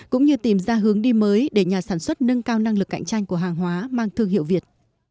cũng như tìm ra hướng đi mới để nhà sản xuất nâng cao năng lực cạnh tranh của hàng hóa mang thương hiệu việt